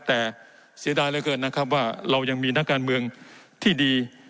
แต่เสียดายเหลือเกินนะครับว่าเรายังมีนักการเมืองที่ดี